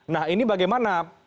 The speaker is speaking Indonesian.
nah ini bagaimana